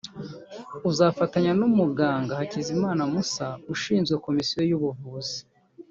uzafatanya n’umuganga Hakizimana Mussa ushinzwe komisiyo y’ubuvuzi